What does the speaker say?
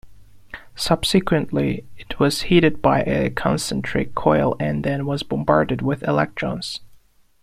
Subsequently it was heated by a concentric coil and then was bombarded with electrons.